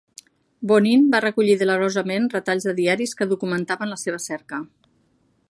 Bonin va recollir delerosament retalls de diaris que documentaven la seva cerca.